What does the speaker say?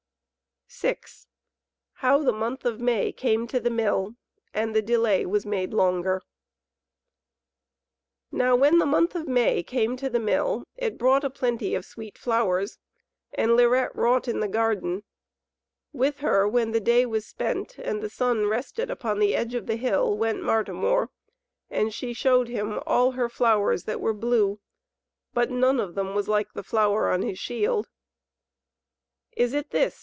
VI How the Month of May came to the Mill, and the Delay was Made Longer Now when the month of May came to the Mill it brought a plenty of sweet flowers, and Lirette wrought in the garden. With her, when the day was spent and the sun rested upon the edge of the hill, went Martimor, and she showed him all her flowers that were blue. But none of them was like the flower on his shield. "Is it this?"